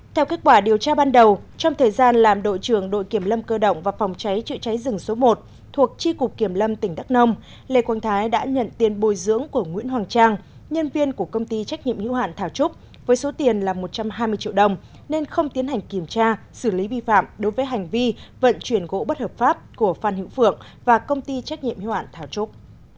theo kết quả điều tra ban đầu trong thời gian làm đội trưởng đội kiểm lâm cơ động và phòng cháy trựa cháy rừng số một thuộc tri cục kiểm lâm tỉnh đắk nông lê quang thái đã nhận tiền bồi dưỡng của nguyễn hoàng trang nhân viên của công ty trách nhiệm hữu hạn thảo trúc với số tiền là một trăm hai mươi triệu đồng nên không tiến hành kiểm tra xử lý vi phạm đối với hành vi vận chuyển gỗ bất hợp pháp của phan hữu phượng và công ty trách nhiệm hữu hạn thảo trúc